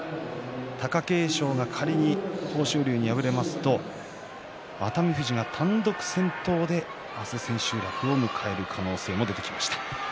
貴景勝が仮に豊昇龍に敗れますと熱海富士は単独先頭で明日、千秋楽を迎える可能性も出てきました。